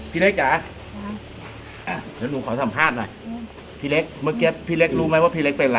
พี่เล็กจ๋าเดี๋ยวหนูขอสัมภาษณ์หน่อยพี่เล็กเมื่อกี้พี่เล็กรู้ไหมว่าพี่เล็กเป็นอะไร